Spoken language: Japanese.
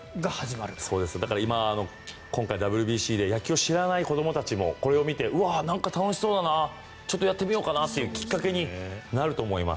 今回、ＷＢＣで野球を知らない子どもたちもこれを見てうわ、なんか楽しそうだなちょっとやってみようかなというきっかけになると思います。